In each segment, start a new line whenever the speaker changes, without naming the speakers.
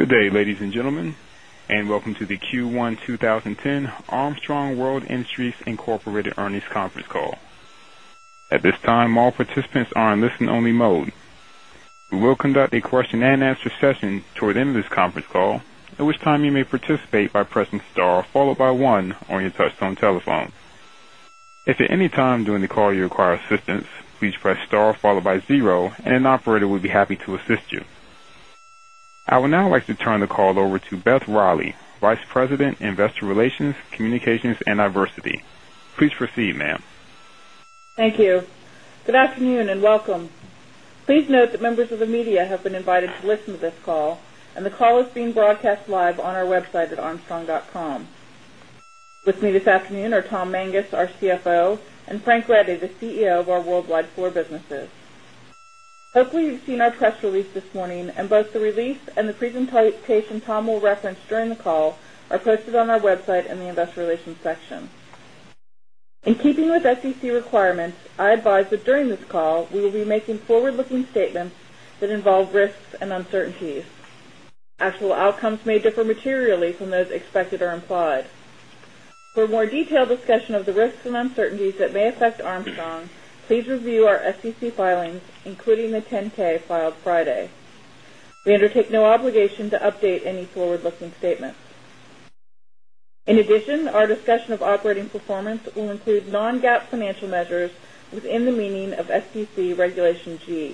Good day, ladies and gentlemen, and welcome to the Q1 twenty ten Armstrong World Industries Incorporated Earnings Conference Call. At this time, all participants are in a listen only mode. We I would now like to turn the call over to Beth Riley, Vice President, Investor Relations, Communications and Diversity. Please proceed, ma'am.
Thank you. Good afternoon and welcome. Please note that members of the media have been invited to listen to this call and the call is being broadcast live on our website at armstrong.com. With me this afternoon are Tom Mangus, our CFO and Frank Leddy, the CEO of our worldwide floor businesses. Hopefully, you've seen our press release this morning and both the release and the presentation Tom will reference during the call are posted on our website in the Investor Relations section. In keeping with SEC requirements, I advise that during this call, we will be making forward looking statements that involve risks and uncertainties. Actual outcomes may differ materially from those expected or implied. For a more detailed discussion of the risks and uncertainties that may affect Armstrong, please review our SEC filings, including the 10 K filed Friday. We undertake no obligation to update any forward looking statements. In addition, our discussion of operating performance will include non GAAP financial measures within the meaning of Both are available on our website.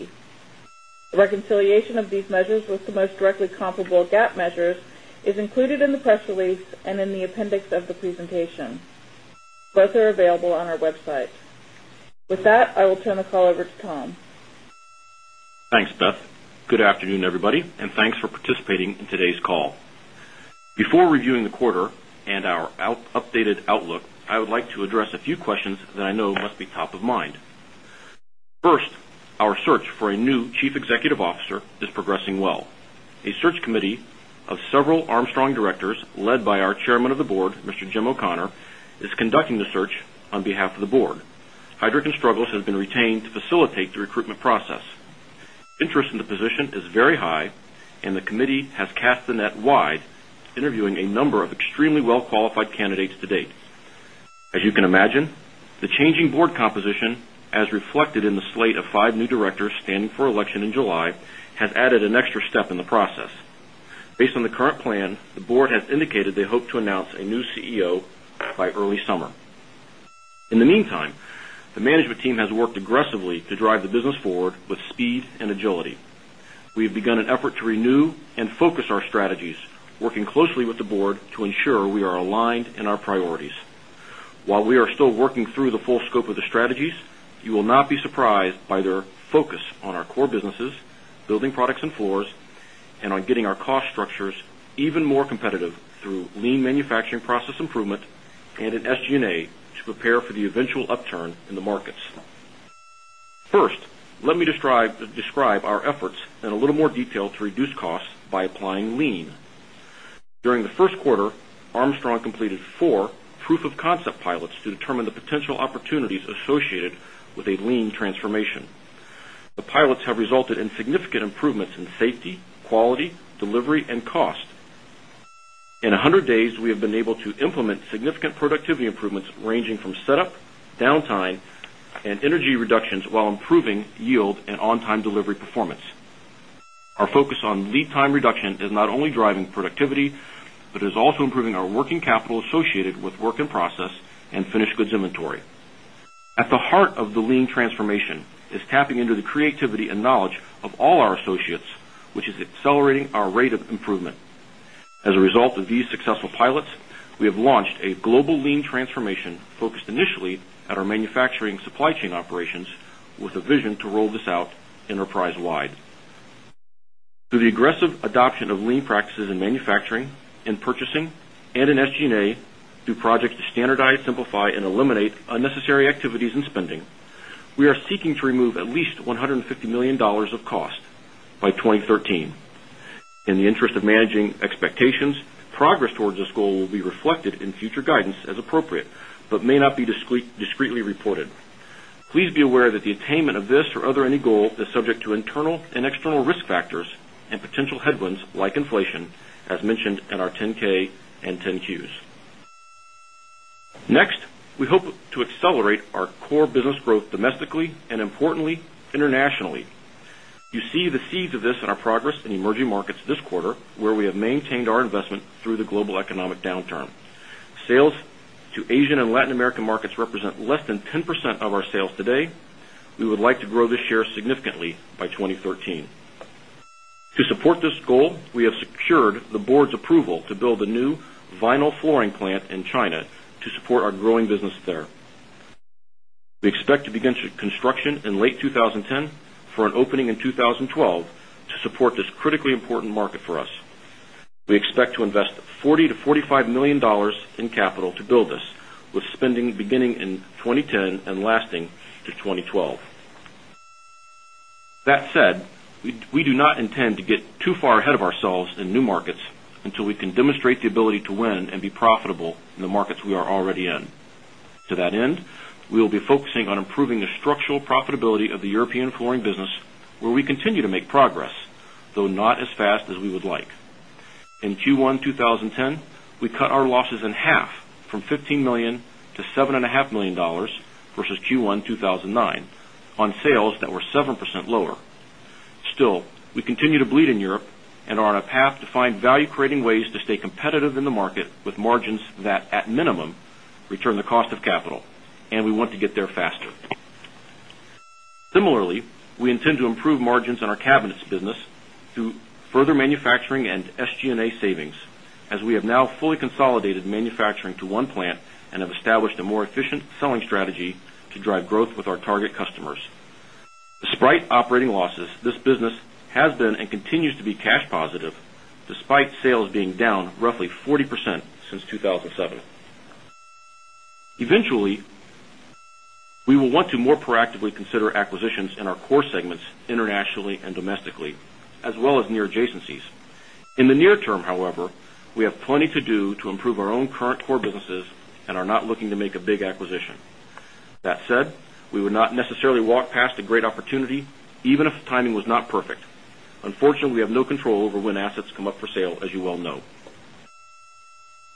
With that, I will turn the call over Both are available on our website. With that, I will turn the call over to Tom.
Thanks, Beth. Good afternoon, everybody, and thanks for participating in today's call. Before reviewing the quarter and our updated outlook, I would like to address a few questions that I know must be top of mind. First, our search for a new Chief Executive Officer is progressing well. A search committee of several Armstrong directors led by our Chairman of the Board, Mr. Jim O'Connor, is conducting the search on behalf of the Board. Heidrick and Struggles have been retained to facilitate the recruitment process. Interest in the position is very high and the committee has cast the net wide interviewing a number of extremely well qualified candidates to date. As you can imagine, the changing board composition as reflected in the slate of five new directors standing for election in July has added an extra step in the process. Based on the current plan, the Board has indicated they hope to announce a new CEO by early summer. In the meantime, the management team has worked aggressively to drive the business forward with speed and agility. We have begun an effort to renew and focus our strategies, working closely with the board to ensure we are aligned in our priorities. While we are still working through the full scope of the strategies, you will not be surprised by their focus on our core businesses, building products and floors and on getting our cost structures even more competitive through lean manufacturing process improvement and an SG and A to prepare for the eventual upturn in the markets. First, let me describe our efforts in a little more detail to reduce costs by applying lien. During the first quarter, Armstrong completed four proof of concept pilots to determine the potential opportunities associated with a lean transformation. The pilots have resulted in significant improvements in safety, quality, delivery and cost. In one hundred days, we have been able to implement significant productivity improvements ranging from setup, downtime and energy reductions while improving yield and on time delivery performance. Our focus on lead time reduction is not only driving productivity, but is also improving our working capital associated with work in process and finished goods inventory. At the heart of the lean transformation is tapping into the creativity and knowledge of all our associates, which is accelerating our rate of improvement. As a result of these successful pilots, we have launched a global lean transformation focused initially at our manufacturing supply chain operations with a vision to roll this out enterprise wide. Through the aggressive adoption of lean practices in manufacturing and purchasing and in SG and A through projects to standardize, simplify and eliminate unnecessary activities and spending, we are seeking to remove at least $150,000,000 of cost by 2013. In the interest of managing expectations, progress toward this goal will be reflected in future guidance as appropriate, but may not be discretely reported. Please be aware that the attainment of this or other any goal is subject to internal and external risk factors and potential headwinds like inflation as mentioned in our 10 ks and 10 Qs. Next, we hope to accelerate our core business growth domestically and importantly internationally. You see the seeds of this in our progress in emerging markets this quarter where we have maintained our investment through the global economic downturn. Sales to Asian and Latin American markets represent less than 10% of our sales today. We would like to grow this share significantly by 2013. To support this goal, we have secured the Board's approval to build a new vinyl flooring plant in China to support our growing business there. We expect to begin construction in late twenty ten for an opening in 2012 to support this critically important market for us. We expect to invest $40,000,000 to $45,000,000 in capital to build this with spending beginning in 2010 and lasting to 2012. That said, we do not intend to get too far ahead of ourselves in new markets until we can demonstrate the ability to win and be profitable in the markets we are already in. To that end, we will be focusing on improving the structural European flooring business where we continue to make progress, though not as fast as we would like. In Q1 twenty ten, we cut our losses in half from $15,000,000 to $7,500,000 versus Q1 two thousand and nine on sales that were 7% lower. Still, we continue to bleed in Europe and are on a path to find value creating ways to stay competitive in the market with margins that at minimum return the cost of capital and we want to get there faster. Similarly, we intend to improve margins on our Cabinets business through further manufacturing and SG and A savings as we have now fully consolidated manufacturing to one plant and have established a more efficient selling strategy to drive growth with our target customers. Despite operating losses, this business has been and continues to be cash positive despite sales being down roughly 40% since 02/2007. Eventually, we will want to more proactively consider acquisitions in our core segments internationally and domestically as well as near adjacencies. In the near term, however, we have plenty to do to improve our own current core businesses and are not looking to make a big acquisition. That said, we would not necessarily walk past a great opportunity even if the timing was not perfect. Unfortunately, we have no control over when assets come up for sale as you well know.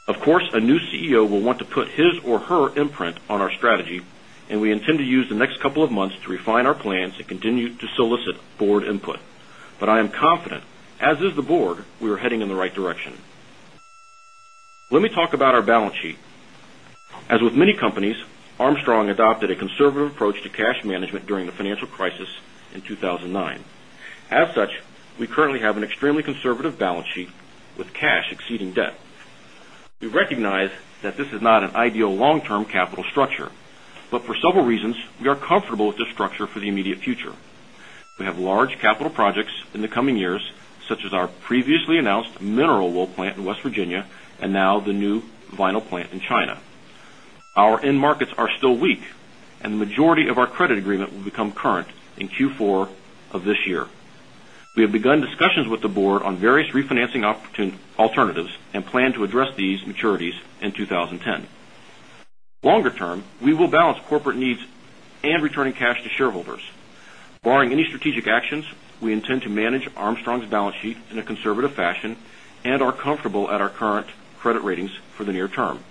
Of course, a new CEO will want to put his or her imprint on our strategy and we intend to use the next couple of months to refine our plans and continue to solicit board input. But I am confident, as is the board, we are heading in the right direction. Let me talk about our balance sheet. As with many companies, Armstrong adopted a conservative approach to cash management during the financial crisis in 02/2009. As such, we currently have an extremely conservative balance sheet with cash exceeding debt. We recognize that this is not an ideal long term capital structure, but for recognize that this is not an ideal long term capital structure, but for several reasons, we are comfortable with the structure for the immediate future. We have large capital projects in the coming years such as our previously announced mineral wool plant in West Virginia and now the new vinyl plant in China. Our end markets are still weak and majority of our credit agreement will become current in Q4 of this year. We have begun discussions with the Board on various refinancing alternatives and plan to address these maturities in 2010. Longer term, we will balance corporate needs and returning cash to shareholders. Barring any strategic actions, we intend to manage Armstrong's balance sheet in a conservative fashion and are comfortable at our current credit ratings for the near term.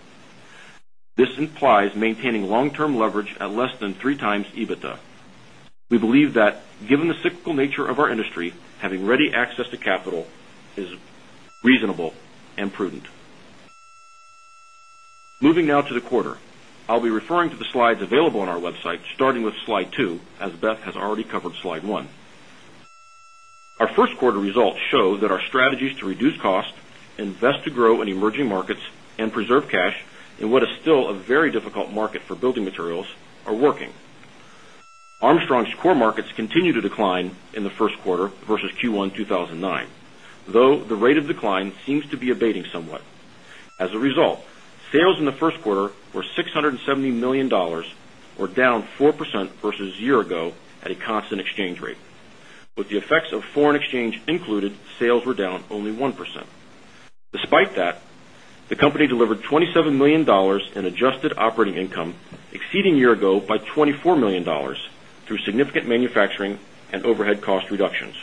This implies maintaining long term leverage at less than three times EBITDA. We believe that given the nature of our industry having ready access to capital is reasonable and prudent. Moving now to the quarter. I'll be referring to the slides available on our website starting with Slide two as Beth has already covered Slide one. Our first quarter results show that our strategies to reduce cost, invest to grow in emerging markets and preserve cash in what is still a very difficult market for building materials are working. Armstrong's core markets continue to decline in the first quarter versus Q1 two thousand and nine, though the rate of decline seems to be abating somewhat. As a result, sales in the first quarter were $670,000,000 or down 4% versus a year ago at a constant exchange rate. With the effects of foreign exchange included, sales were down only 1%. Despite that, the company delivered 27,000,000 in adjusted operating income exceeding year ago $24,000,000 through significant manufacturing and overhead cost reductions.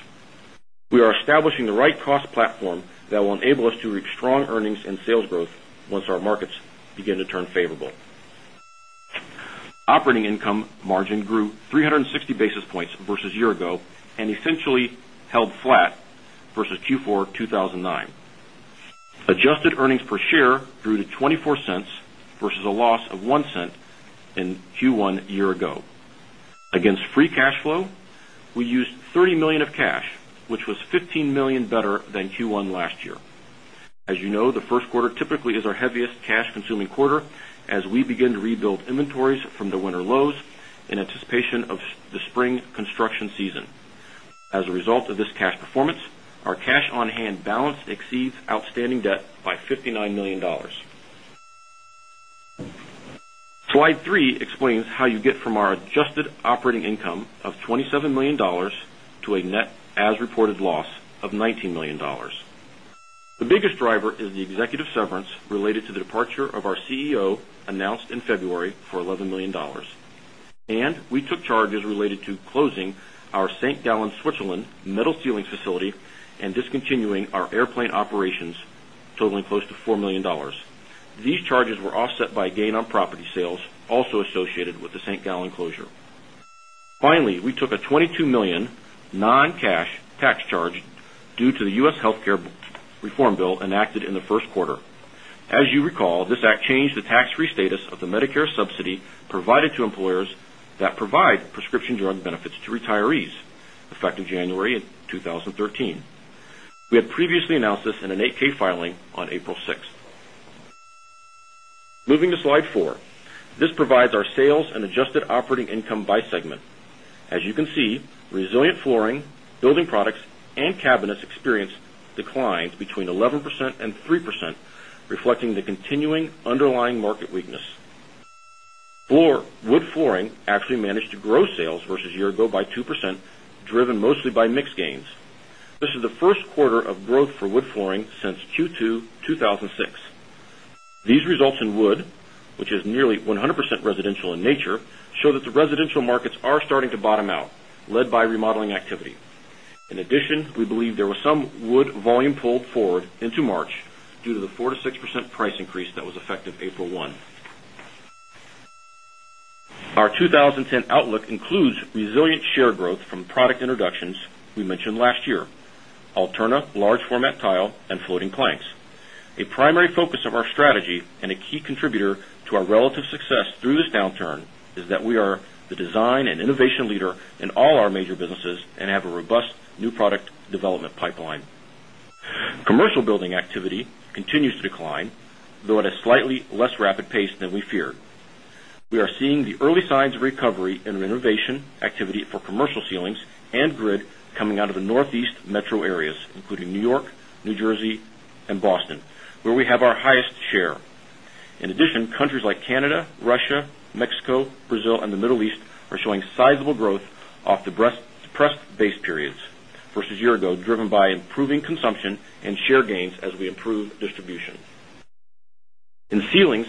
We are establishing the right cost platform that will enable us to reach strong earnings and sales growth once our markets begin to turn favorable. Operating income margin grew three sixty basis points versus a year ago and essentially held flat versus Q4 two thousand and nine. Adjusted earnings per share grew to $0.24 versus a loss of $0.01 in Q1 a year ago. Against free cash flow, we used $30,000,000 of cash, which was $15,000,000 better than Q1 last year. As you know, the first quarter typically is our heaviest cash consuming quarter as we begin to rebuild inventories from the winter lows in anticipation of the spring construction season. As a result of this cash performance, our cash on hand balance exceeds outstanding debt by $59,000,000 Slide three explains how you get from our adjusted operating income of $27,000,000 to a net as reported loss of $19,000,000 The biggest driver is the executive severance related to the departure of our CEO announced in February for $11,000,000 And we took charges related to closing our St. Gallen, Switzerland metal sealing facility and discontinuing our airplane operations totaling close to $4,000,000 These charges were offset by a gain on property sales also associated with the Saint Gallen closure. Finally, we took a $22,000,000 non cash tax charge due to The U. S. Healthcare reform bill had previously announced this in an eight ks filing on April 6. Had previously announced this in an eight K filing on April 6. Moving to slide four. This provides our sales and adjusted operating income by segment. As you can see, resilient flooring, building products and cabinets experienced declines between 113% reflecting the continuing underlying market weakness. Wood flooring actually managed to grow sales versus year ago by 2% gains. This is the first quarter of growth for Wood Flooring since Q2 two thousand and six. These results in Wood, which is nearly 100% residential in nature, show that the residential markets are starting to bottom out, led by remodeling activity. In addition, we believe there was some wood volume pulled forward into March due to the 4% to 6% price increase that was effective April 1. Our 2010 outlook includes resilient share growth from product introductions we mentioned last year, Alterna large format tile and floating planks. A primary focus of our strategy and a key contributor to our relative success through this down turn is that we are the design and innovation leader in all our major businesses and have a robust new product development pipeline. Commercial building activity continues to decline, though at a slightly less rapid pace than we feared. We are seeing the early signs of recovery in innovation activity for commercial ceilings and grid coming out of the Northeast Metro Areas, including New York, New Jersey and Boston, Boston where we have our highest share. In addition, countries like Canada, Russia, Mexico, Brazil and The Middle East are showing sizable growth off the depressed base periods versus a year ago driven by improving consumption and share gains as we improve distribution. In ceilings,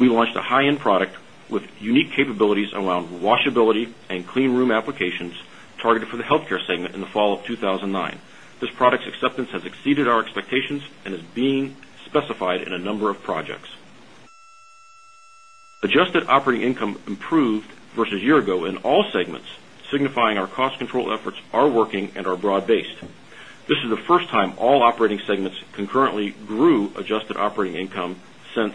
we launched a high end product with unique capabilities around washability and clean room applications targeted for the Healthcare segment in the February. This product's acceptance has exceeded our expectations and is being specified in a number of projects. Adjusted operating income improved versus a year ago in all segments signifying our cost control efforts are working and are broad based. This is the first time all operating segments concurrently grew adjusted operating income since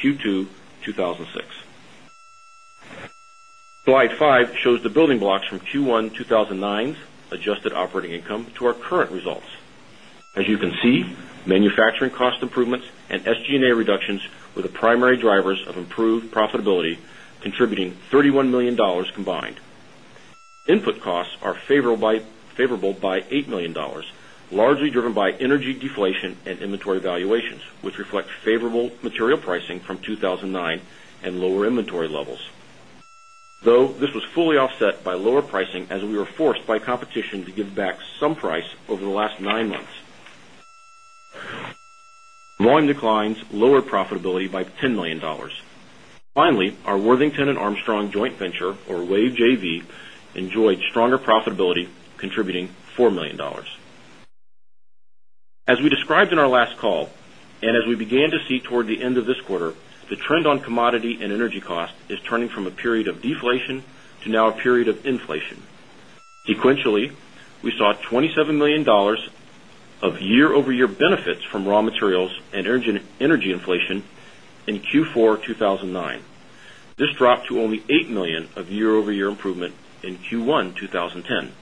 Q2 two thousand and six. Slide five shows the building blocks from Q1 two thousand and nine's adjusted operating income to our current results. As you can see, manufacturing cost improvements and SG and A reductions were the primary drivers of improved profitability, contributing $31,000,000 combined. Input costs are favorable by $8,000,000 largely driven by energy deflation and inventory valuations, which reflect favorable material pricing from 02/2009 and lower inventory levels. Though this was fully offset by lower pricing as we were forced by competition to give back some price over the last nine months. Volume declines lowered profitability by $10,000,000
Finally, our Worthington and
Armstrong joint venture or WAV JV enjoyed stronger profitability contributing $4,000,000 As we described in our last call and as we began to see toward the end of this quarter, the trend on commodity and energy cost is turning from a period of deflation to now a period of inflation. Sequentially, we saw $27,000,000 of year over year benefits from raw materials and energy inflation in Q4 two thousand and nine. This dropped to only $8,000,000 of year over year improvement in Q1 twenty ten.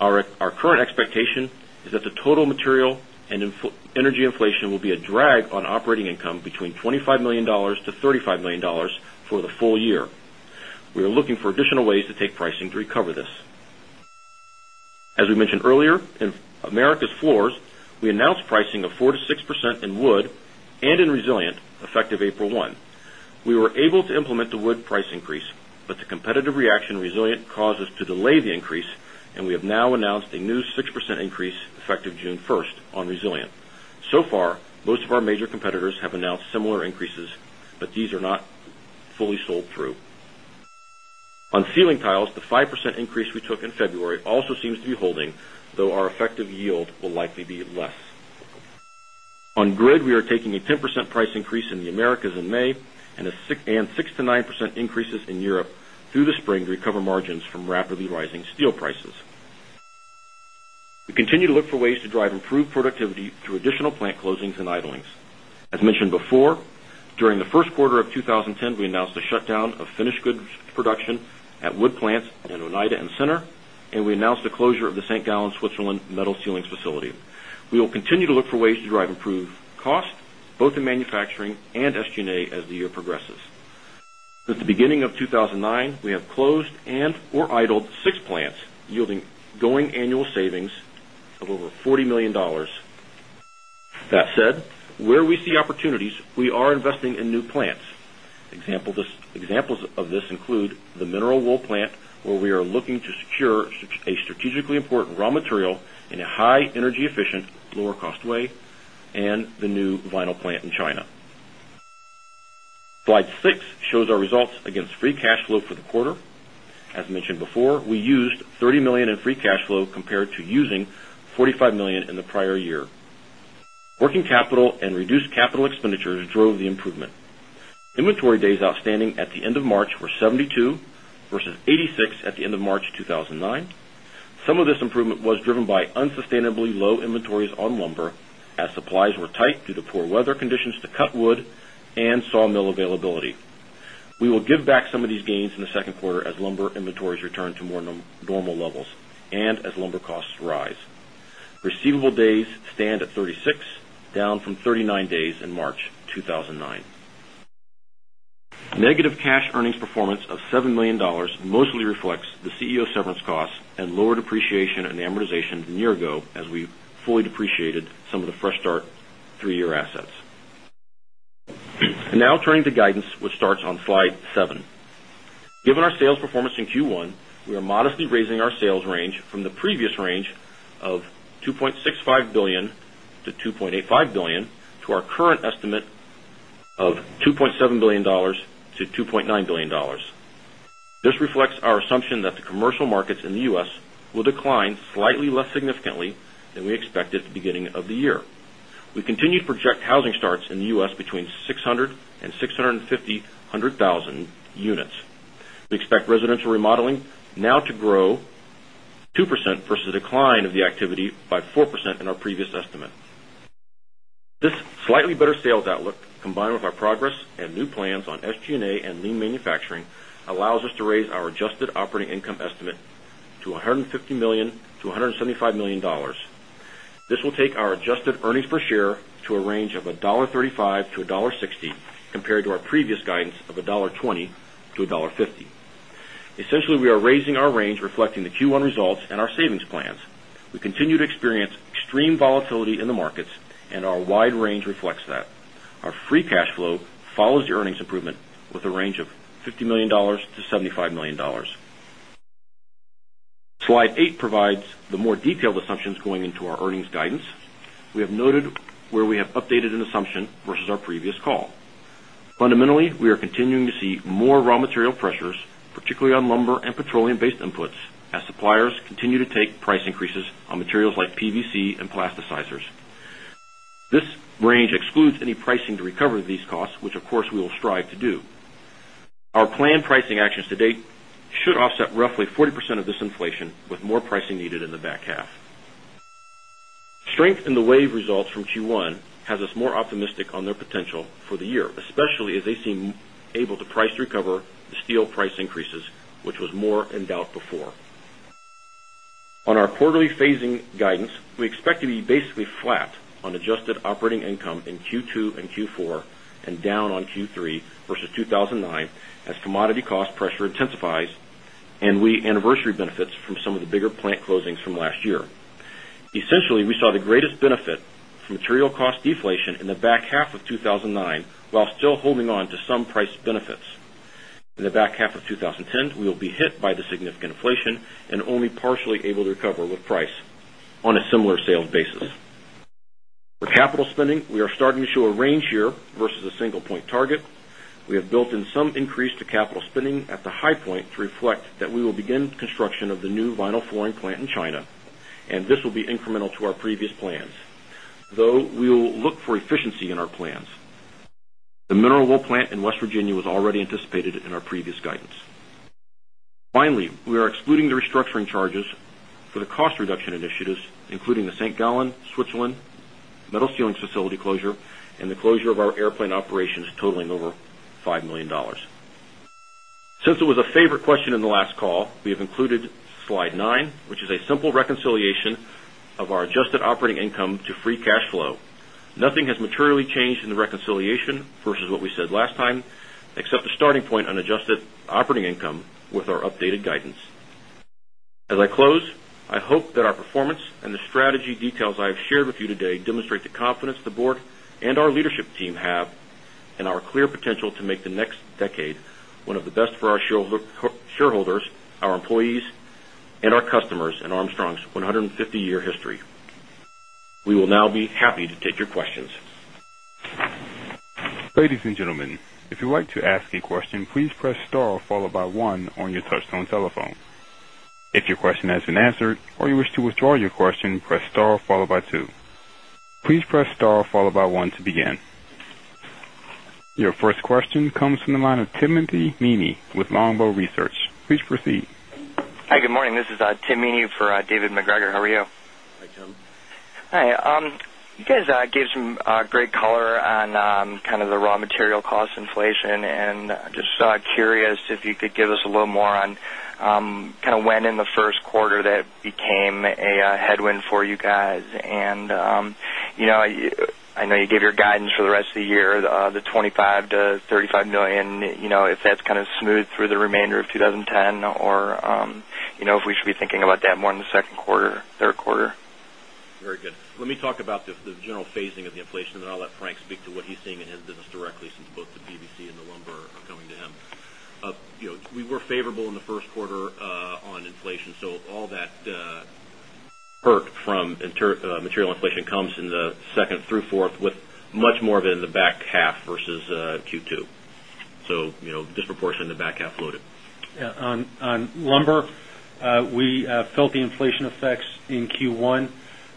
Our current expectation is that the total material and energy inflation will be a drag on operating income between $25,000,000 to $35,000,000 for the full year. We are looking for additional ways to take pricing to recover this. As we mentioned earlier, in Americas Floors, we announced pricing of 4% to 6% in wood and in Resilient effective April 1. We were able to implement the wood price increase, but the competitive reaction Resilient caused us to delay the increase and we have now announced a
new 6% increase effective June 1 on Resilient. So far,
most of our major effective June 1 on Resilient. So far, most of our major competitors have announced similar increases, but these are not fully sold through. On Ceiling Tiles, the 5% increase we took in February also seems to be holding, though our effective yield will likely be less. On grid, we are taking a 10% price increase in The Americas in May and 6% to 9% increases in Europe through the spring to recover margins from rapidly rising steel prices. We continue to look for ways to drive improved productivity through additional plant closings and idlings. As mentioned before, during the first quarter of twenty ten, we announced a shutdown of finished goods production at wood plants in Oneida and Center and we announced the closure of the Saint Gallen, Switzerland metal ceilings facility. We will continue to look for ways to drive improved costs both in manufacturing and SG and A as the year progresses. Since the beginning of 02/2009, we have closed and or idled six plants yielding going annual savings of over $40,000,000
That
said, where we see opportunities, we are investing in new plants. Examples of this include the Mineral Wolf plant where we are looking to secure a strategically important raw material in a high energy efficient lower cost way and the new vinyl plant in China. Slide six shows our results against free cash flow for the quarter. As mentioned before, we used $30,000,000 in free cash flow compared to using $45,000,000 in the prior year. Working capital and reduced capital expenditures drove the improvement. Inventory days outstanding at the March were 72 versus 86 at the March 2009. Some of this improvement was driven by unsustainably low inventories on lumber as supplies were tight due to poor weather conditions to cut wood and sawmill availability. We will give back some of these gains in the second quarter as lumber inventories return to more normal levels and as lumber costs rise. Receivable days stand at 36, down from thirty nine days in March 2009. Negative cash earnings performance of $7,000,000 mostly reflects the CEO severance costs and lower depreciation and amortization than a year ago as we fully depreciated some of the Fresh Start three year assets. Now turning to guidance, which starts on Slide seven. Given our sales performance in Q1, we are modestly raising our sales range from the previous range of $2,650,000,000 to $2,850,000,000 to our current estimate of $2,700,000,000 to $2,900,000,000 This reflects our assumption that the commercial markets in The U. S. Will decline slightly less significantly than we expected at the beginning of the year. We continue to project housing starts in The U. S. Between 1,250,000 units. We expect residential remodeling now to grow 2% versus decline of the activity by 4% in our previous estimate. This slightly better sales outlook combined with our progress and new plans on SG and A and lean manufacturing allows us to raise our adjusted operating income estimate to $150,000,000 to $175,000,000 This will take our adjusted earnings per share to a range of 1.35 to $1.6 compared to our previous guidance of $1.2 to $1.5 Essentially, we are raising our range reflecting the Q1 results and our savings plans. We continue to experience extreme volatility in the markets and our wide range reflects that. Our free cash flow follows the earnings improvement with a range of $50,000,000 to $75,000,000 Slide eight provides the more detailed assumptions going into our earnings guidance. We have noted where we have updated an assumption versus our previous call. Fundamentally, we are continuing to see more raw material pressures, particularly on lumber and petroleum based inputs as suppliers continue to take price increases on materials like PVC and plasticizers. This range excludes any pricing to recover these costs, which of course we will strive to do. Our planned pricing actions to date should offset roughly 40% of this inflation with more pricing needed in the back half. Strength in the WAVE results from Q1 has us more optimistic on their potential for the year, especially as they seem able to price recover the steel price increases, which was more in doubt before. On our quarterly phasing guidance, we expect to be basically flat on adjusted operating income in Q2 and Q4 and down on Q3 versus 02/2009 as commodity cost pressure intensifies and we anniversary benefits from some of the bigger plant closings from last year. Essentially, we saw the greatest benefit from material cost deflation in the back half of two thousand and nine, while still holding on to some price benefits. In the back half of twenty ten, we will be hit by the significant inflation and only partially able to recover with price on a similar sales basis. For capital spending, we are starting to show a range here versus a single point target. We have built in some increase to capital spending at the high point to reflect that we will begin construction of the new vinyl flooring plant in China and this will be incremental to our previous plans. Though, we will look for efficiency in our plans. The mineral wool plant in West Virginia was already anticipated in our previous guidance. Finally, we are excluding the restructuring charges for the cost reduction initiatives including the Saint Gallen, Switzerland, metal sealing facility closure and the closure of our airplane operations totaling over $5,000,000 Since it was a favorite question in the last call, we have included Slide nine, which is a simple reconciliation of our adjusted operating income to free cash flow. Nothing has materially changed in the reconciliation versus what we said last time, except the starting point on adjusted operating income with our updated guidance. As I close, I hope that our performance and the strategy details I have shared with you today demonstrate the confidence the Board and our leadership team have and our clear potential to make the next decade one of the best for our shareholders, our employees and our customers in Armstrong's one hundred and fifty year history. We will now be happy to take your questions.
Your first question comes from the line of Timothy Meany with Longbow Research. Please proceed.
Hi, good morning. This is Timothy Meany for David MacGregor. How are you?
Hi, Tim.
Hi. You guys gave some great color on kind of the raw material cost inflation and just curious if you could give us a little more on kind of when in the first quarter that became a headwind for you guys. And I know you remainder of 2010 or if we should be thinking about that more in second quarter, third quarter?
Very good. Let me talk about the general phasing of the inflation and then I'll let Frank speak to what he's seeing in his business directly since both the BBC and the lumber are coming to him. We were favorable in the first quarter on inflation. So all that hurt from material inflation comes in the second through fourth with much more of it in the back half versus Q2. So disproportion in the back half loaded.
Yes. On lumber, we felt the inflation effects in Q1.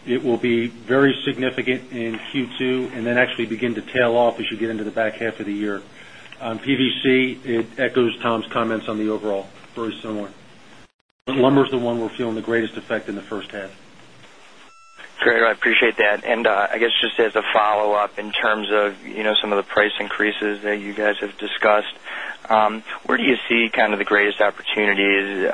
It will be very significant in Q2 and then actually begin to tail off as you get into the back half of the year. On PVC, it echoes Tom's comments
on the overall, very similar. Lumber is
the one we're feeling the greatest effect in the first half.
Great. I appreciate that. And I guess just as a follow-up in terms of some of the price increases that you guys have discussed. Where do you see kind of the greatest opportunities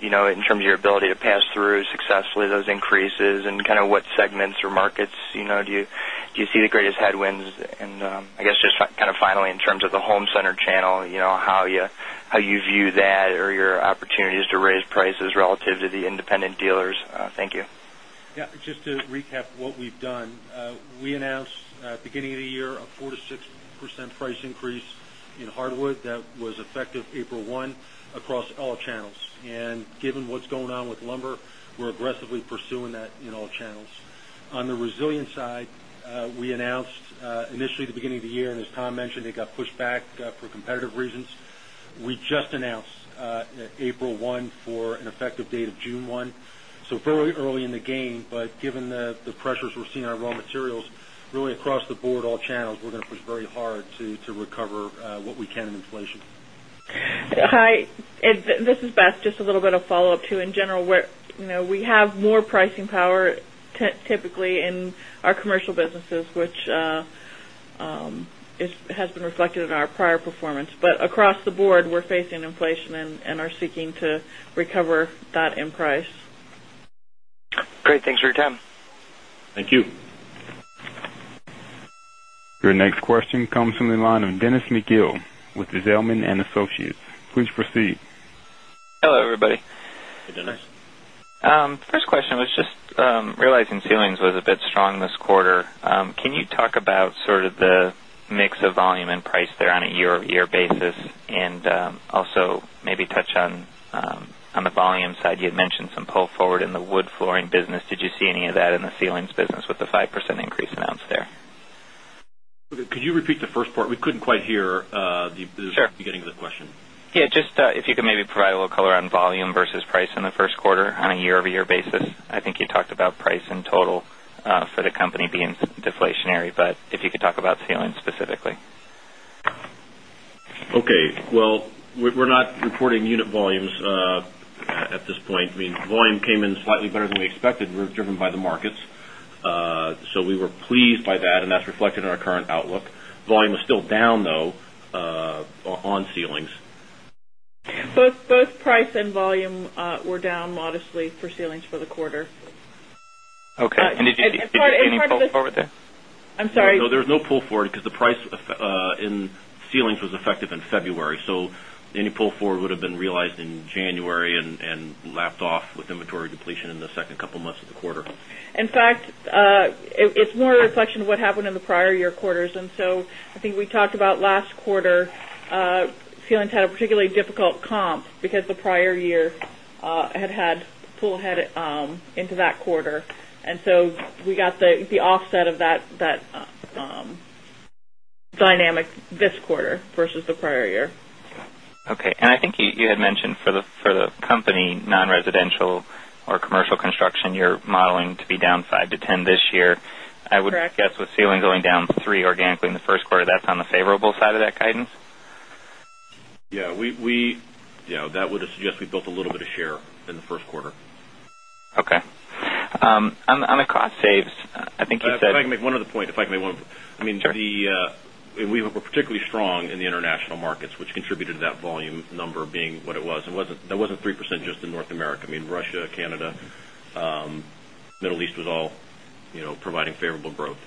in terms of your ability to pass through successfully those increases? And kind of what segments or markets do you see the greatest headwinds? And I guess just kind of finally in terms of the home center channel, how you view that or your opportunities to raise prices relative to the independent dealers? Thank you.
Yes. Just to recap what we've done, we announced beginning of the year a 4% to 6% price increase in hard wood that was effective April 1 across all channels. And given what's going on with lumber, we're aggressively pursuing that in all channels. On the resilient side, we announced initially the beginning of the year and as Tom mentioned got pushed back for competitive reasons. We just announced April 1 for an effective date of June 1. So very early in the game, but given the pressures we're seeing on raw materials really across the board all channels we're going to push very hard to recover what we can in inflation.
Hi. This is Beth. Just a little bit of follow-up too. In general, we have more pricing power typically in our commercial businesses, which has been reflected in our prior performance. But across the board, we're facing inflation and are seeking to recover that in price.
Great. Thanks for your time.
Thank you.
Your next question comes from the line of Dennis McGill with Zelman and Associates. Please proceed.
Hello, everybody.
Hey, Dennis.
First question was just realizing ceilings was a bit strong this quarter. Can you talk about sort of the mix of volume and price there on a year over year basis? And also maybe touch on the volume side. You had mentioned some pull forward in the Wood Flooring business. Did you see any of that in the ceilings business with the five percent increase announced
there? Could you repeat the first part? We couldn't quite hear the beginning of the question.
Yes. Just if you can maybe provide a little color on volume versus price in the first quarter on a year over year basis. I think you talked about price in total for the company being deflationary, but if you could talk about Saline specifically?
Okay. Well, we're not reporting unit volumes at this point. I mean, volume came in slightly better than we expected, driven by the markets. So we were pleased by that and that's reflected in our current outlook. Volume is still down though on ceilings.
Both price and volume were down modestly for ceilings for the quarter. Okay.
And did you see any pull forward there?
I'm sorry? So there's no pull forward because the price in ceilings was effective in February. So any pull forward would have been realized in January and lapped off with inventory depletion in the second couple of months of the quarter.
In fact, it's more a reflection of what happened in the prior year quarters. And so I think we talked about last quarter, ceilings had a particularly difficult comp because the prior year had had pool head into that quarter. And so we got the offset of that dynamic this quarter versus the prior year.
Okay. And I think you had mentioned for the company non residential or commercial construction, you're modeling to be down 5% to 10% this year. I would guess with ceiling going down 3% organically in the first quarter, that's on the favorable side of that guidance?
Yes. We yes, that would suggest we built a little bit of share in the first quarter.
Okay. On the cost saves, I think you said If I
can make one other point, if I can make one. I mean, the we were particularly strong in the international markets, which contributed to that volume number being what it was. It wasn't that wasn't 3% just in North America. I mean, Russia, Canada, Middle East was all providing favorable growth.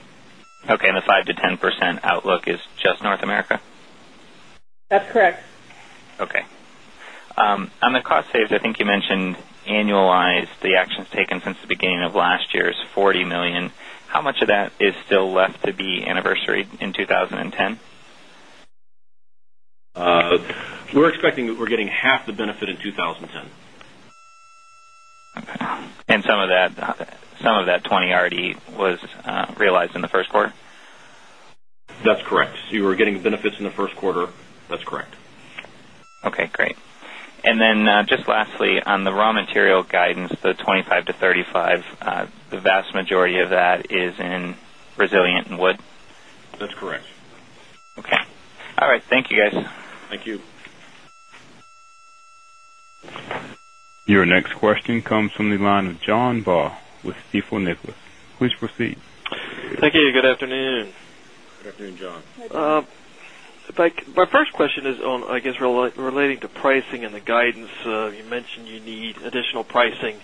Okay. And the 5% to 10% outlook is just North America?
That's correct.
Okay. On the cost saves, I think you mentioned annualized the actions taken since the beginning of last year's $40,000,000 How much of that is still left to be anniversary in 2010?
We're expecting that we're getting half the benefit in 2010.
And some of that 20% already was realized in the first
quarter? That's correct. You were getting benefits in the first quarter. That's correct.
Okay, great. And then just lastly on the raw material guidance, the 25% to 35%, the majority of that is in resilient and wood?
That's correct.
Okay. All right. Thank you, guys.
Thank you.
Your next question comes from the line of John Baugh with Stifel Nicholas. Please proceed.
Thank you. Good afternoon.
Good afternoon, John.
My first question is on I guess relating to pricing and the guidance. You mentioned you need additional pricing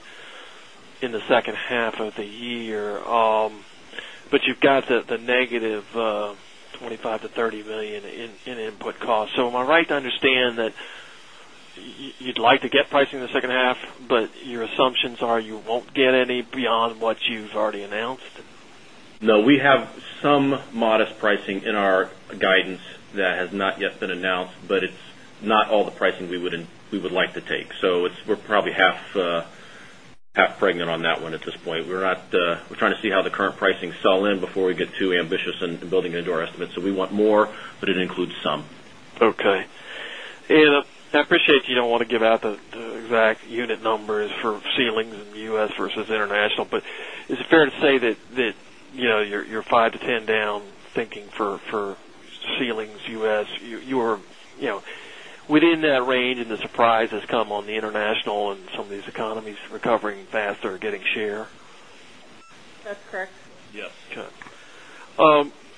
in the second half of the year, but you've got the negative $25,000,000 to $30,000,000 in input costs. So am I right to understand that you'd like to get pricing in the second half, but your assumptions are you won't get any beyond what you've already announced?
No, we have some modest pricing in our guidance that has not yet been announced, but it's not all the pricing we would like to take. So we're probably half pregnant on that one at this point. We're trying to see how the current pricing sell in before we get too ambitious in building into our estimates. So we want more, but it includes some. Okay. And
I appreciate you don't want
to give out the exact unit numbers for ceilings in The U. S. Versus international. But is it fair to say that you're five to 10 down thinking for ceilings U. S. You're within that range and the surprise has come on the international and some of these economies recovering faster getting share?
That's correct.
Yes.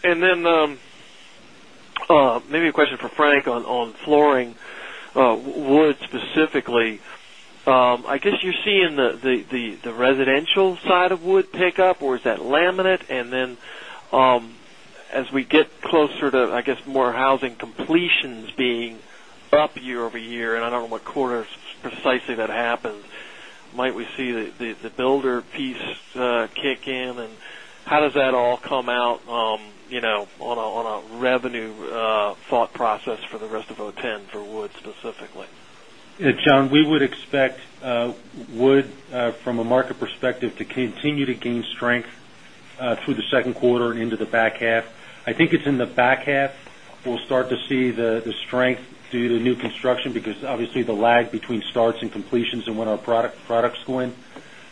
And then maybe a question for Frank on flooring. Wood specifically. I guess you're seeing the residential side of wood pickup or is that laminate? And then as we get closer to I guess more housing completions precisely that happens, might we see the builder piece kick in and how does that all come out on a revenue
market perspective to continue to gain strength through the second quarter and into the back half. I think it's in the back half we'll start to see the strength due to new construction because obviously the lag between starts and completions and when our products go in.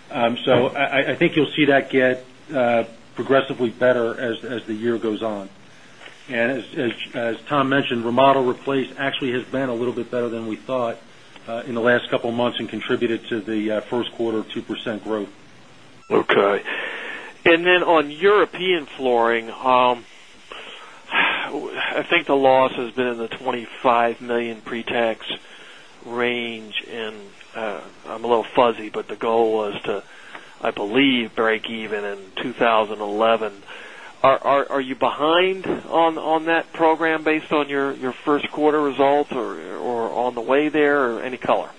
So I think you'll see that get get progressively better as the year goes on. And as Tom mentioned, remodel replace actually has been a little bit better than we thought in the last couple of months and contributed to the first quarter '2 percent growth.
Okay.
And then on European Flooring, I think the loss has been in the $25,000,000 pretax range and I'm a little fuzzy, but the goal was to, I believe, breakeven in 2011. Are you behind on that program based on your first quarter results or on the way there or any color?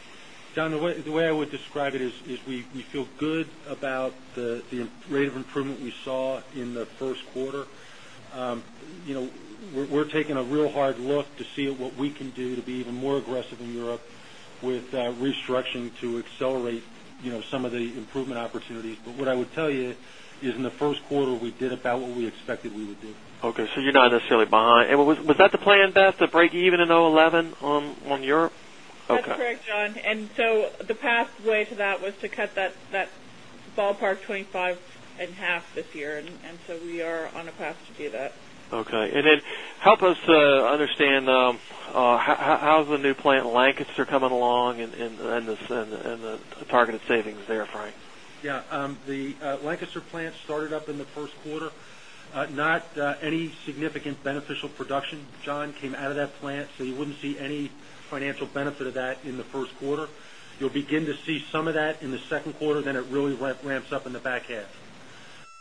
John, the way I would describe it is we feel good about the rate of improvement we saw in the first quarter. We're taking a real hard look to see what we can do to be even more aggressive in Europe with restructuring to accelerate some of the improvement opportunities. But what I would tell you is in the first quarter we did about what we expected we would do. Okay.
So you're not necessarily behind. And was that the plan best, the breakeven in 2011 on Europe?
That's correct, John. And so the pathway to that was to cut that ballpark 25.5 this year and so we are on a path to do that.
Okay. And then help us understand how is the new plant Lancaster coming along and the targeted savings there, Frank?
Yes. The Lancaster plant started up in the first quarter. Not any significant beneficial production, John, came out of that plant. So you wouldn't see any financial benefit of that in the first quarter. You'll begin to see some of that in the second quarter, then it really ramps up in the back half.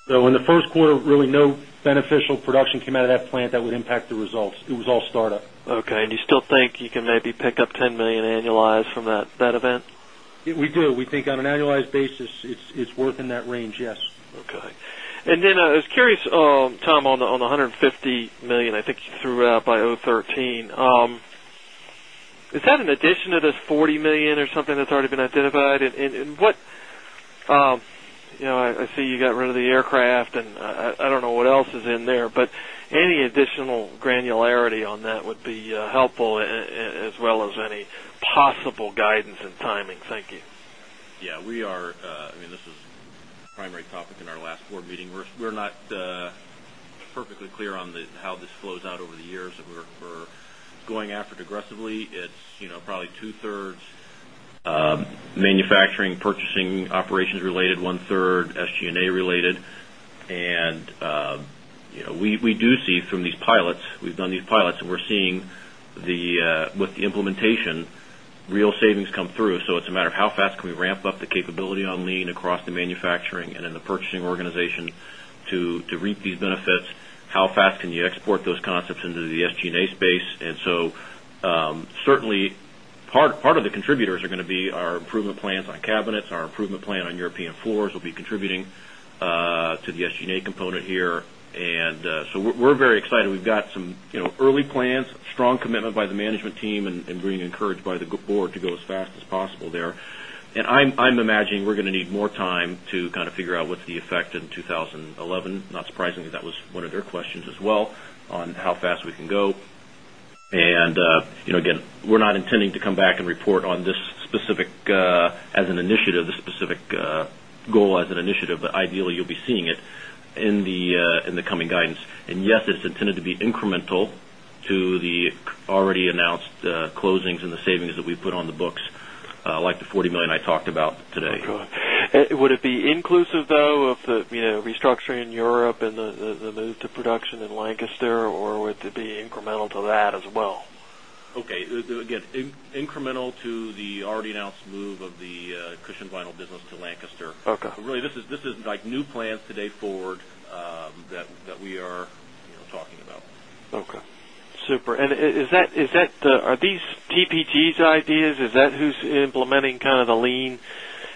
So in the first quarter, really no beneficial production came out of that plant that would impact the results. It was all startup.
Okay. And you still think you can maybe pick up $10,000,000 annualized from that event?
We do. We think on an annualized basis it's worth in that range, yes.
Okay. And then I was curious, Tom, on the $150,000,000 I think you threw out by 'thirteen. Is that an addition to this $40,000,000 or something that's already been identified? And what I see you got rid of the aircraft and I don't know what else is in there, but any additional granularity on that would be helpful
primary topic in our last board meeting. We're not perfectly clear on how this flows out over the years. We're going after it aggressively. It's probably two thirds manufacturing, purchasing operations related, one third SG and A related. And we do see from these pilots, we've done these pilots and we're seeing the with the implementation, real savings come through. So it's a matter of how fast can we ramp up the capability on lean across the manufacturing and in the purchasing organization to reap these benefits, how fast can you export those concepts into the SG and A space. And so, certainly, part of the contributors are going to be our improvement plans on cabinets, our improvement plan on European floors will to the SG and A component here. And so we're very excited. We've got some early plans, strong commitment by the management team and being encouraged by the Board to go as fast as possible there. And I'm imagining we're going to need more time to kind of figure out what's the effect in 2011. Not surprising that was one of their questions as well on how fast we can go. And again, we're not intending to come back and report on this specific as an initiative, this specific goal as an initiative, but ideally you'll be seeing it in the coming guidance. And yes, it's intended to be incremental to the already announced closings and the savings that we put on the books like the 40,000,000 million dollars I talked
about today. Would it be inclusive though of the restructuring in Europe and the move to production in Lancaster or would it be incremental to that
as well? Okay. Again, incremental to the already announced move of the Cushion Vinyl business to Lancaster.
Okay.
Really this is like new plans today forward that we are talking about.
Okay. Super. And is that are these TPGs ideas? Is that who's implementing kind of the lien?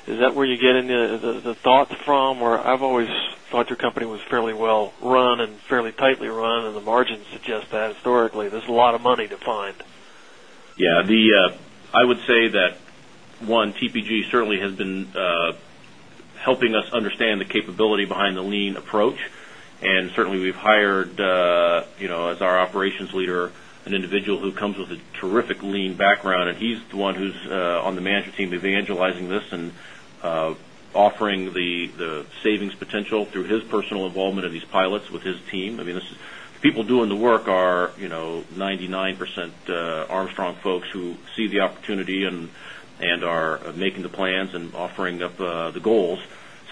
Is that where you get into the thoughts from? Or I've always thought your company was fairly well run and fairly tightly run and the margin suggests that historically. There's a lot of money to find.
Yes. I would say that one, TPG certainly has been helping us understand the capability behind the lean approach. And certainly, we've hired as our operations leader an individual who comes with a terrific lean background and he's the one who's on the management team evangelizing this and offering the savings potential through his personal involvement in these pilots with his team. I mean, this is people doing the work are 99% Armstrong folks who see the opportunity and are making the plans and offering up the goals.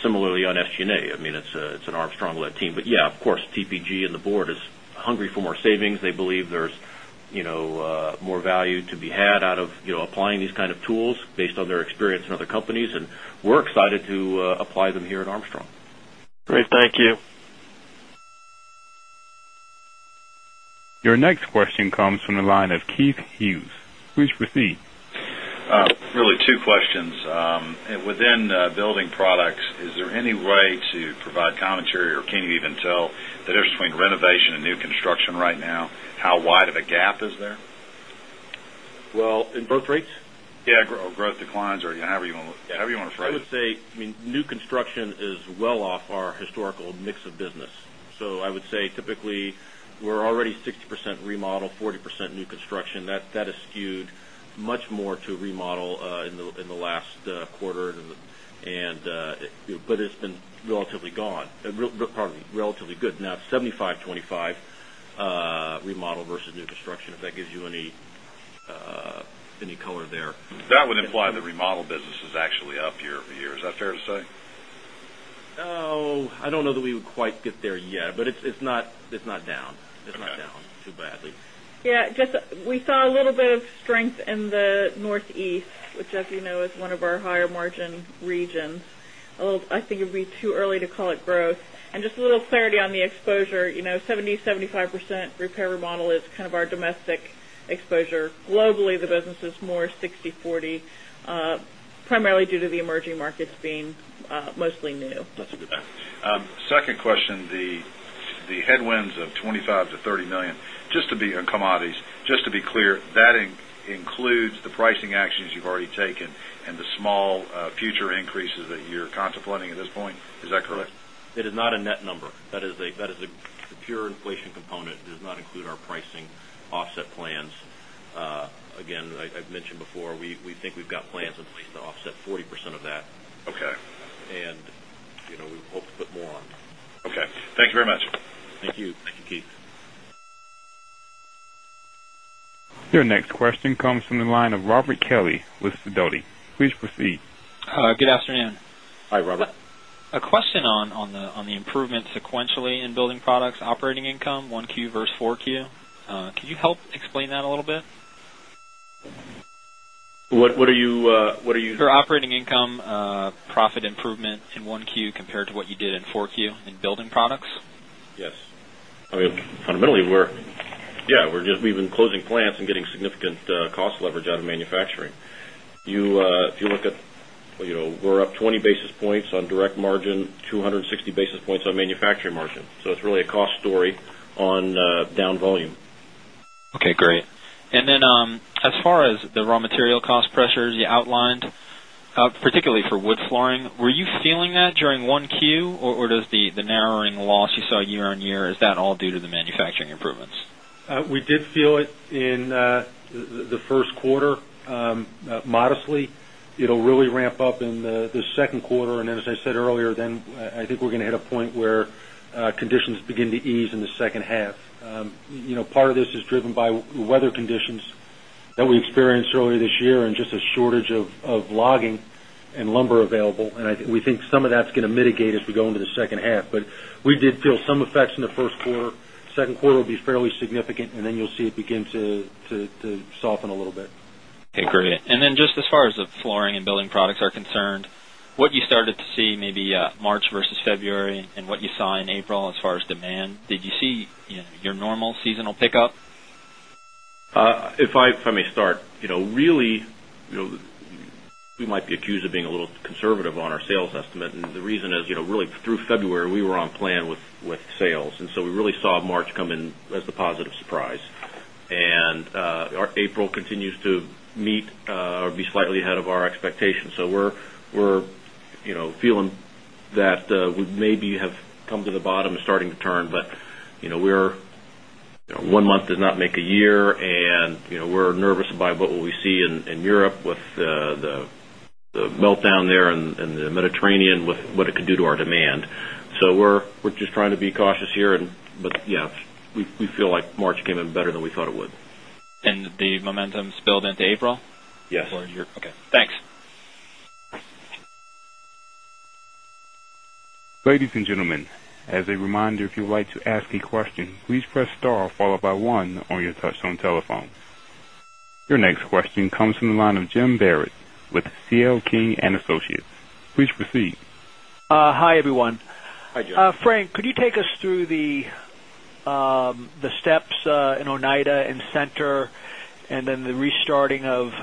Similarly on SG and A, I mean, it's an Armstrong led team. But yes, of course, TPG and the Board is hungry for more savings. They believe there's more value to be had out of applying these kind of tools based on their experience in other companies and we're excited to apply them here at Armstrong.
Great. Thank you.
Your Your next question comes from the line of Keith Hughes. Please proceed.
Really two questions. Within Building Products, is there any way to provide commentary or can you even tell the difference between renovation and new construction right now, how wide of a gap is there?
Well, in both rates?
Yes, growth declines or however you want to phrase it.
I would say, I mean, new construction is well off our historical mix of business. So I would say typically we're already 60% remodel, 40% new construction. That has skewed much more to remodel in the last quarter and but it's been relatively gone relatively good. Now 70 fivetwenty five remodel versus new construction, if that gives you any color there.
That would imply the remodel business is actually up year over year. Is that fair to say?
No. I don't know that we would quite get there yet, but it's not down. It's not down too badly.
Yes. Just we saw a little bit of strength in the Northeast, which as you know is one of our higher margin regions. I think it would be too early to call it growth. And just a little clarity on the exposure, 70%, seventy five % repair remodel is kind of our domestic exposure. Globally, the business is more sixtyforty, primarily due to the emerging markets being mostly new.
Second question, the headwinds of $25,000,000 to $30,000,000 just to be on commodities, just to be clear, that includes the pricing actions you've already taken and the small future increases that you're contemplating at this point. Is that correct?
It is not a net number. That is a pure inflation component. It does not include our pricing offset plans. Again, I've mentioned before, we think we've got plans in place to offset 40% of that. And we hope to put more on. Okay. Thank you very much.
Thank you.
Thank you, Keith.
Your next question comes from the line of Robert Kelly with Sidoti. Please proceed.
Good afternoon.
Hi, Robert.
A question on the improvement sequentially in Building Products operating income 1Q versus 4Q. Could you help explain that a little bit?
What are you
profit improvement in 1Q compared to what you did in 4Q in building products?
Yes. I mean, fundamentally, we're yes, we're just we've been closing plants and getting significant cost leverage out of manufacturing.
If you
look at we're up 20 basis points on direct margin, two sixty basis points on manufacturing margin. So it's really a cost story on down volume.
Okay, great. And then as far as the raw material cost pressures you outlined, particularly for Wood Flooring, were you feeling that during 1Q? Or does the narrowing loss you saw year on year, is that all due to the manufacturing improvements?
We did feel it in the first quarter modestly. It will really ramp up in the second quarter. And then as I said earlier, then I think we're going to hit a point where conditions begin to ease in the second half. Part of this is driven by weather conditions that we experienced earlier this year and just a shortage of logging and lumber available. And we think some of that's going to mitigate as we go into second half. But we did feel some effects in the first quarter. Second quarter will be fairly significant and then you'll see it begin to soften a little bit.
Okay, great. And then just as far as the flooring and building products are concerned, what you started to see maybe March versus February and what you saw in April as far as demand? Did you see your normal seasonal pickup?
If I may start, really we might be accused of being a little conservative on our sales estimate. And the reason is really through February we were on plan with sales. And so we really saw March come in as the positive surprise. And April continues to meet or be slightly ahead of our expectations. So we're feeling that we maybe have come to the bottom and starting to turn. But we're one month does not make a year and we're nervous about what we see in Europe with the meltdown there and the Mediterranean with what it could do to our demand. So we're just trying to be cautious here. But yes, we feel like March came in better
than we thought it would. And the momentum spilled
into April? Yes. Okay.
Thanks. Your next question comes from the line of Jim Barrett with C. L. King and Associates. Please proceed.
Hi, everyone. Frank, could you take us through the steps in Oneida and Center and then the restarting of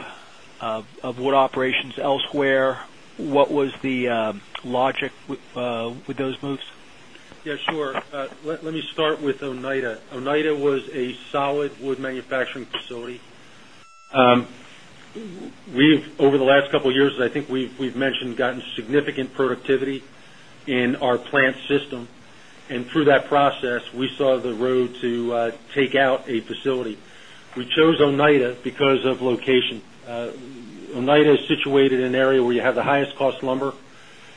wood operations elsewhere. What was the logic with those moves?
Yes, sure. Let me start with Oneida. Oneida was a solid wood manufacturing facility. We've over the last couple of years, I think we've mentioned gotten significant productivity in our plant system. And through that process, we saw the road to take out a facility. We chose Oneida because of location. Oneida is situated in an area where you have the highest cost lumber.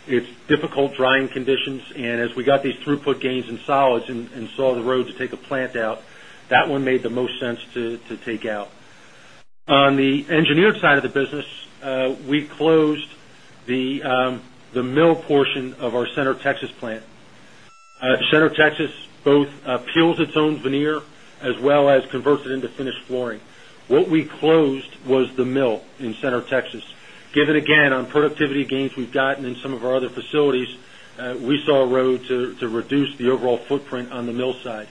It's difficult drying conditions. And as we got these throughput gains in solids and saw the road to take a plant out, that one made the most sense to take out. On the engineered side of the business, we closed the mill portion of our Center Texas plant. Center Texas both peels its own veneer as well as converts it into finished flooring. What we closed was the mill in Center Texas. Given again on productivity gains we've gotten in some of our other facilities, we saw a road to reduce the overall footprint on the mill side.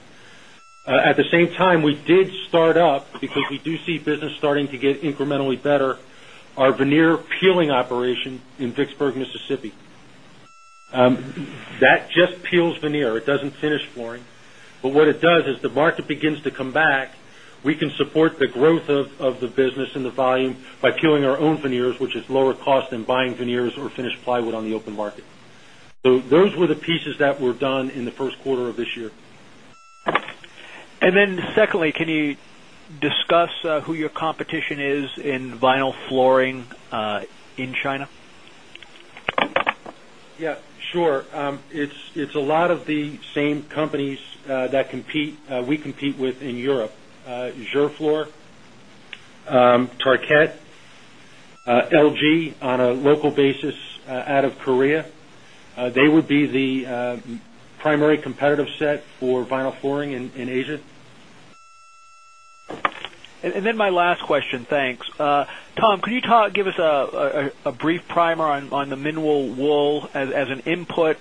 At the same time, we did start up because we do see business starting to get incrementally better, our veneer peeling operation in Vicksburg, Mississippi. That just peels veneer. It doesn't finish flooring. But what it does is the market begins to come back, we can support the growth of the business and the volume by peeling our own veneers, which is lower cost than buying veneers or finished plywood on the open market. So those were the pieces that were done in the first quarter of this year.
And then secondly, can you discuss who your competition is in vinyl flooring in China?
Yes, sure. It's a lot of the same companies that compete we compete with in Europe. JureFloor, Tarkett, LG on a local basis out of Korea, they would be the primary competitive set for vinyl flooring in Asia.
And then my last question. Tom, could you give us a brief primer mineral wool as an input?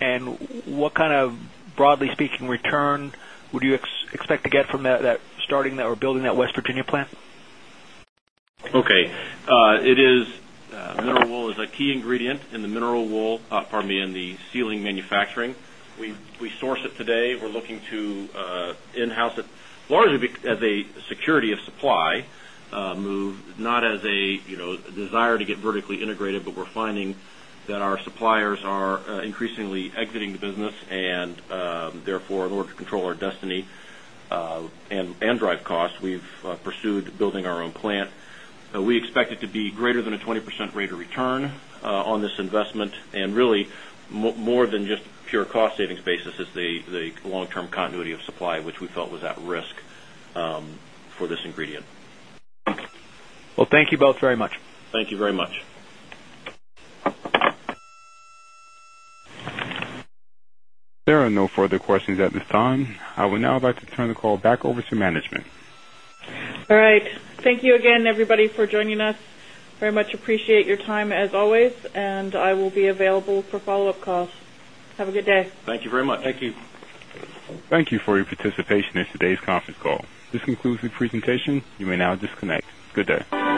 And what kind of broadly speaking return would you expect to get from that starting that or building that West Virginia plant?
Okay. It is mineral wool is a key ingredient in the mineral wool, pardon me, in the ceiling manufacturing. We source it today. We're looking to in house it largely as a security of supply move, not as a desire to get vertically integrated, but we're finding that our suppliers are increasingly exiting the business. And therefore, in order to control our destiny and drive costs, we've pursued building our own plant. We expect it to be greater than a 20% rate of return on this investment and really more than just pure cost savings basis is the long term continuity of supply, which we felt was at risk for this ingredient.
Well, thank you both very much.
Thank you very much.
There are no further questions at this time. I would now like to turn the call back over to management.
All right. Thank you again everybody for joining us. Very much appreciate your time as always and I will be available for follow-up calls. Have a good day.
Thank you very much. Thank you.
Thank you for your participation in today's conference call. This concludes the presentation. You may now disconnect. You may now disconnect. Good day.